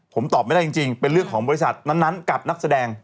ผมตอบไม่ได้จริงเป็นเรื่องของบริษัทนั้นกับนักแสดง